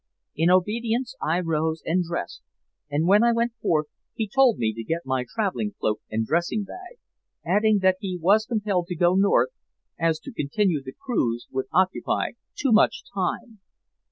In obedience I rose and dressed, and when I went forth he told me to get my traveling cloak and dressing bag, adding that he was compelled to go north, as to continue the cruise would occupy too much time.